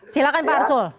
silahkan pak arsul